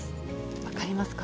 分かりますか？